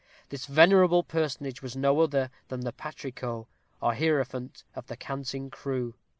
This venerable personage was no other than the patrico, or hierophant of the Canting Crew.